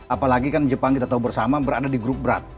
apalagi kan jepang kita tahu bersama berada di grup berat